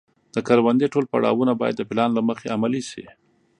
د کروندې ټول پړاوونه باید د پلان له مخې عملي شي.